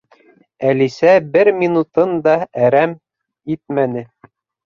Әлисә бер минутын да әрәм итмәне.